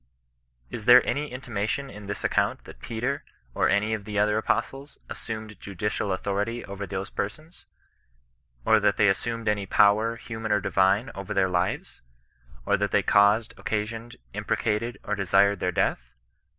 Is there any intimation in this ac count, that Peter, or any of the other apostles, assumed judicial authority over those persons ? Or that they as sumed any power, human or divine, over their lives? Or that they caused, occasioned, imprecated, or desired their death